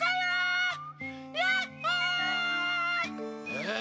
え！